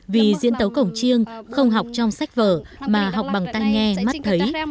vì diễn tấu cổng chiêng không học trong sách vở mà học bằng tay nghe mắt thấy